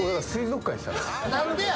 何でや？